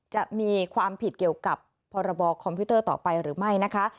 จะมีความผิดเกี่ยวกับพรบคอมพิวเตอร์ต่อไปหรือไม่นะคะ